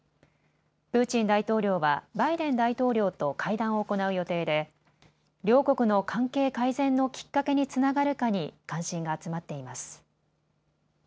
プーチン大統領はバイデン大統領と会談を行う予定で両国の関係改善のきっかけにつながるかに関心が集まっています。